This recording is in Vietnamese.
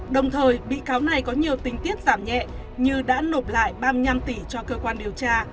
đồng thời bị cáo này có nhiều tình tiết giảm nhẹ như đã nộp lại ba mươi năm tỷ cho cơ quan điều tra